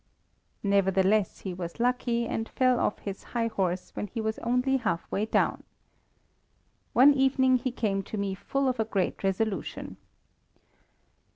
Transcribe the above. Nevertheless, he was lucky, and fell off his high horse when he was only halfway down. One evening he came to me full of a great resolution.